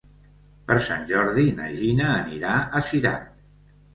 Per Sant Jordi na Gina anirà a Cirat.